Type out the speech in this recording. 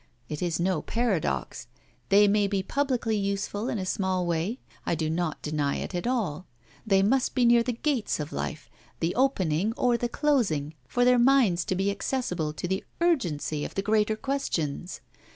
It is no paradox. They may be publicly useful in a small way. I do not deny it at all. They must be near the gates of life the opening or the closing for their minds to be accessible to the urgency of the greater questions.